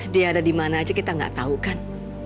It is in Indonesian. dia ada di mana aja kita nggak tahu kan